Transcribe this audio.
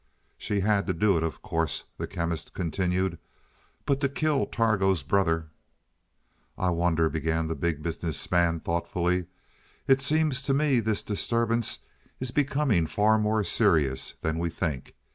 "She had to do it, of course," the Chemist continued, "but to kill Targo's brother " "I wonder," began the Big Business Man thoughtfully. "It seems to me this disturbance is becoming far more serious than we think.